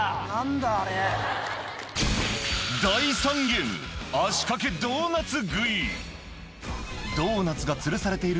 第３ゲーム、足掛けドーナツ食い。